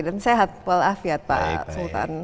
dan sehat walafiat pak sultan